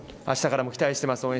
あしたからも期待しています。